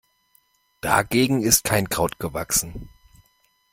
Dagegen ist kein Kraut gewachsen.